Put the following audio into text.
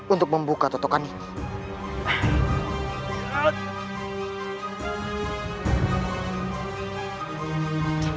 untuk membuka totokan ini